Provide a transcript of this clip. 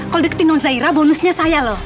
kalo deketin nonzaira bonusnya saya loh